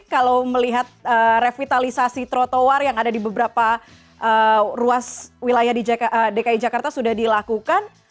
kalau melihat revitalisasi trotoar yang ada di beberapa ruas wilayah di dki jakarta sudah dilakukan